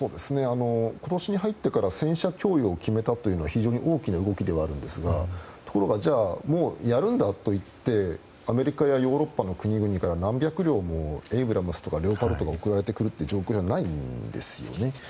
今年に入ってから戦車供与を決めたというのは非常に大きな動きであるんですがところが、やるんだと言ってアメリカやヨーロッパの国々から何百両もエイブラムスとかレオパルトが送られてくるような状況ではないんですよね。